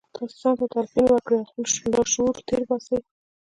تاسې ځان ته تلقین وکړئ او خپل لاشعور تېر باسئ